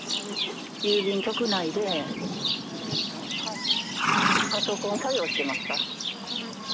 郵便局内でパソコン作業をしていました。